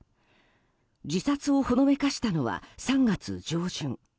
自殺をほのめかしたのは３月上旬。